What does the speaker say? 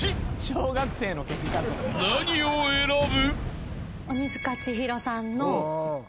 ［何を選ぶ？］